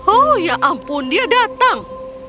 oh ya ampun dia datang